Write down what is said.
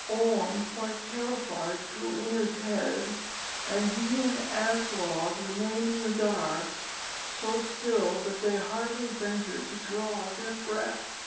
Orm, quite terrified, drew in his head, and he and Aslog remained in the dark, so still that they hardly ventured to draw their breath.